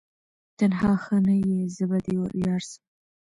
تنها ښه نه یې زه به دي یارسم